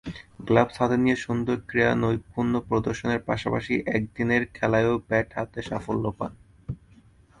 Gloves হাতে নিয়ে সুন্দর ক্রীড়া নৈপুণ্য প্রদর্শনের পাশাপাশি একদিনের খেলায়ও ব্যাট হাতে সাফল্য পান।